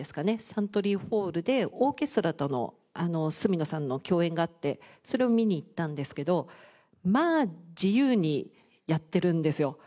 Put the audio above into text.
サントリーホールでオーケストラとの角野さんの共演があってそれを見に行ったんですけどまあ自由にやってるんですよ。